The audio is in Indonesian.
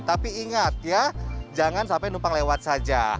tapi ingat ya jangan sampai numpang lewat saja